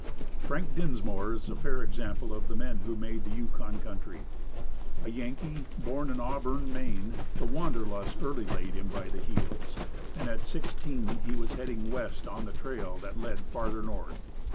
Frank Dinsmore is a fair sample of the men who made the Yukon country. A Yankee, born, in Auburn, Maine, the Wanderlust early laid him by the heels, and at sixteen he was heading west on the trail that led "farther north."